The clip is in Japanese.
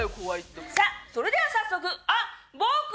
さあそれでは早速あっ僕！